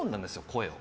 声を。